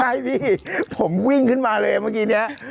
ใช่พี่ผมวิ่งขึ้นมาเลยเมื่อกี้นี้